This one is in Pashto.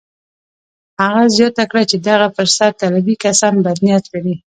هغه زياته کړه چې دغه فرصت طلبي کسان بد نيت لري.